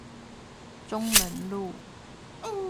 中門路